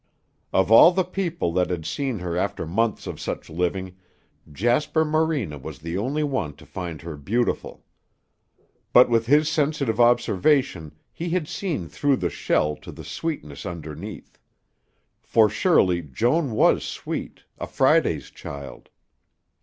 Of all the people that had seen her after months of such living, Jasper Morena was the only one to find her beautiful. But with his sensitive observation he had seen through the shell to the sweetness underneath; for surely Joan was sweet, a Friday's child.